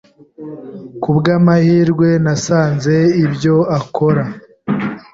Ku bw'amahirwe nasanze ibyo akora.